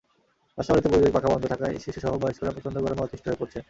বাসাবাড়িতে বৈদ্যুতিক পাখা বন্ধ থাকায় শিশুসহ বয়স্করা প্রচণ্ড গরমে অতিষ্ঠ হয়ে পড়ছেন।